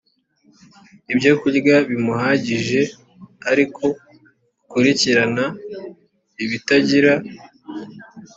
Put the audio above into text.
ibyokurya bimuhagije ariko ukurikirana ibitagira